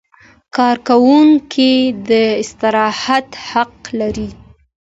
کارکوونکی د استراحت حق لري.